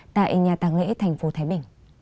tại nhà tăng lễ tp thái bình